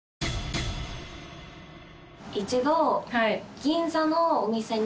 一度。